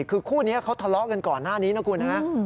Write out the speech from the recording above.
คือคู่นี้เขาทะเลาะกันก่อนหน้านี้นะคุณฮะ